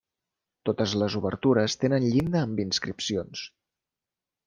Totes les obertures tenen llinda amb inscripcions.